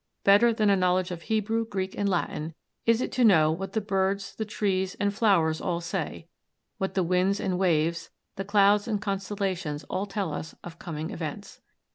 Better than a knowledge of Hebrew, Greek and Latin is it to know what the birds, the trees, and flowers all say, what the winds and waves, the clouds and constellations all tell us of coming events.